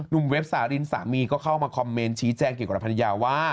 เว็บสารินสามีก็เข้ามาคอมเมนต์ชี้แจงเกี่ยวกับภรรยาว่า